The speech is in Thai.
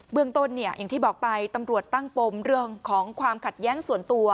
เมืองต้นเนี่ยอย่างที่บอกไปตำรวจตั้งปมเรื่องของความขัดแย้งส่วนตัว